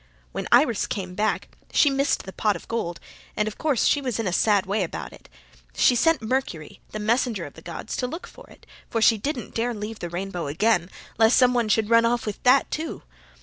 "When Iris came back she missed the pot of gold and of course she was in a sad way about it. She sent Mercury, the messenger of the gods, to look for it, for she didn't dare leave the rainbow again, lest somebody should run off with that too.